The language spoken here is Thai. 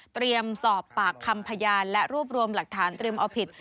สอบปากคำพยานและรวบรวมหลักฐานเตรียมเอาผิด